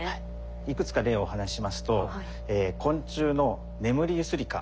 いくつか例をお話ししますと昆虫のネムリユスリカ。